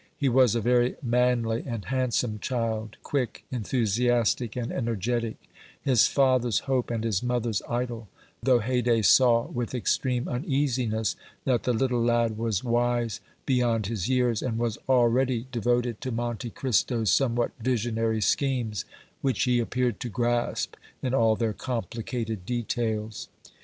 He was a very manly and handsome child; quick, enthusiastic and energetic; his father's hope and his mother's idol; though Haydée saw, with extreme uneasiness, that the little lad was wise beyond his years, and was already devoted to Monte Cristo's somewhat visionary schemes, which he appeared to grasp in all their complicated details.